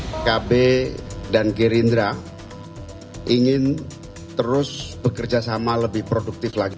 pkb dan gerindra ingin terus bekerja sama lebih produktif lagi